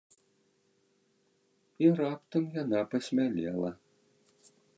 І раптам яна пасмялела.